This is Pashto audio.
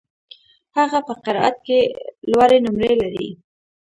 هغه په قرائت کي لوړي نمرې لري.